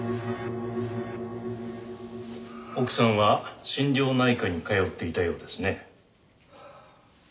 奥さんは心療内科に通っていたようですね。